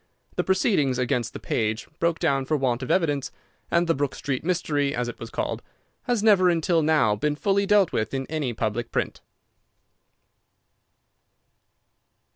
The proceedings against the page broke down for want of evidence, and the Brook Street Mystery, as it was called, has never until now been fully dealt with in any public print.